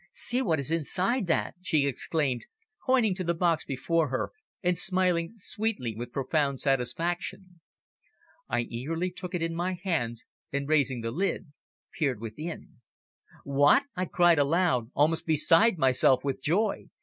"See what is inside that," she exclaimed, pointing to the box before her, and smiling sweetly with profound satisfaction. I eagerly took it in my hands and raising the lid, peered within. "What!" I cried aloud, almost beside myself with joy.